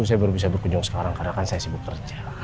saya baru bisa berkunjung sekarang karena kan saya sibuk kerja